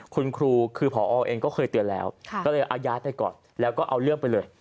คุณครูคือผอเองก็เคยเตือนแล้วก็เลยอายัดไปก่อนแล้วก็เอาเรื่องไปเลย